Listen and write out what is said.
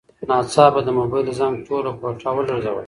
ناڅاپه د موبایل زنګ ټوله کوټه ولړزوله.